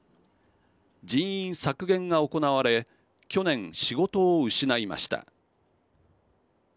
人員削減が行われ去年、仕事を失いました。